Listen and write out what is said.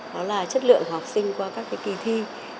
đó là chất lượng của học sinh qua các kỳ thi